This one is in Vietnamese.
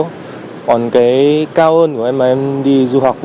còn cái cao hơn của em là em đi du học